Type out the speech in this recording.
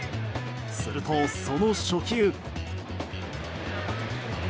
すると、その初球。